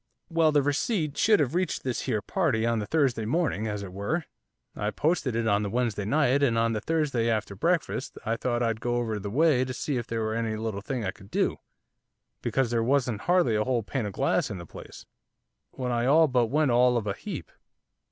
'Well, the receipt should have reached this here party on the Thursday morning, as it were, I posted it on the Wednesday night, and on the Thursday, after breakfast, I thought I'd go over the way to see if there was any little thing I could do, because there wasn't hardly a whole pane of glass in the place, when I all but went all of a heap.